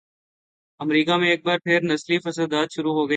امریکہ میں ایک بار پھر نسلی فسادات شروع ہوگئے ہیں۔